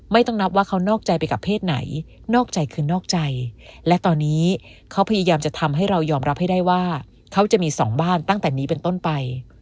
ไม่ต้องนับว่าเขานอกใจไปกับเพศไหนนอกใจคือนอกใจและตอนนี้เขาพยายามจะทำให้เรายอมรับให้ได้ว่าเขาจะมีสองบ้านตั้งแต่นี้เป็นต้นไป